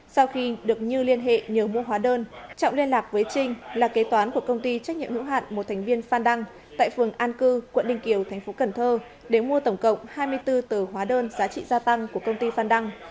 sau khi được như liên hệ nhờ mua hóa đơn trọng liên lạc với trinh là kế toán của công ty trách nhiệm hữu hạn một thành viên phan đăng tại phường an cư quận ninh kiều thành phố cần thơ để mua tổng cộng hai mươi bốn tờ hóa đơn giá trị gia tăng của công ty phan đăng